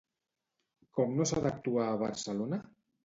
Com no s'ha d'actuar a Barcelona?